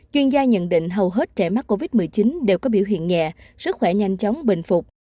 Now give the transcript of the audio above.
chuyên gia nhận định hầu hết trẻ mắc covid một mươi chín đều có biểu hiện nhẹ sức khỏe nhanh chóng bình phục